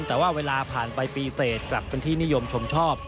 แต่ว่าเวลาผ่านไปปีเสร็จกลับเป็นที่นิยมชมชอบ